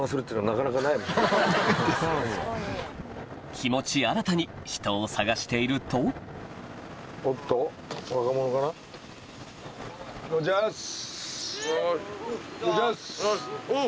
気持ち新たに人を探しているとこんちはっす。